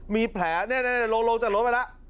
มีแผลนี่ลงจากรถไปแล้ว